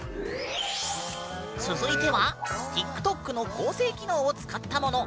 続いてはＴｉｋＴｏｋの合成機能を使ったもの。